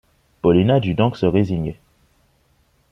Paulina dut donc se résigner.